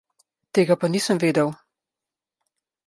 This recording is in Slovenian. Tega pa nisem vedel.